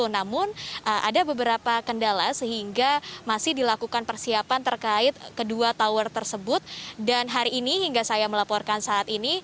namun ada beberapa kendala sehingga masih dilakukan persiapan terkait kedua tower tersebut dan hari ini hingga saya melaporkan saat ini